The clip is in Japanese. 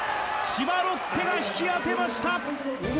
千葉ロッテが引き当てました。